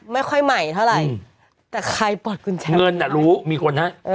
ไม่ค่อยใหม่เท่าไรแต่ใครปลดกุญแจมือใครเงินน่ะรู้มีคนนะเออ